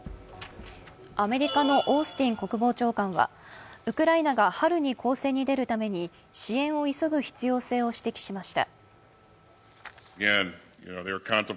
アメリカのオースティン国防長官はウクライナが春に攻勢に出るために支援を急ぐ必要性を指摘しました。